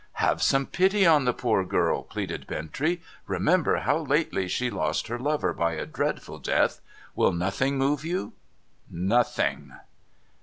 ' Have some pity on the poor girl !' pleaded Bintrey. ' Remember how lately she lost her lover by a dreadful death ! Will nothing move you ?'' Nothing.'